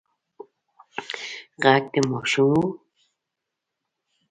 غږ د ماشوم و.